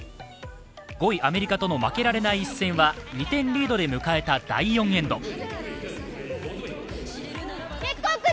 ５位、アメリカとの負けられない一戦は２点リードで迎えた第４エンド。